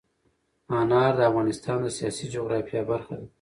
انار د افغانستان د سیاسي جغرافیه برخه ده.